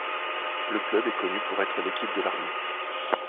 Le club est connu pour être l'équipe de l'armée.